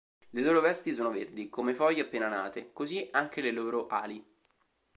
Le loro vesti sono verdi come foglie appena nate, così anche le loro ali.